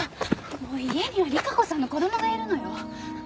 家には利佳子さんの子供がいるのよ。